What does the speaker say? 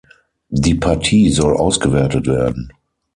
Die Partie soll ausgewertet werden.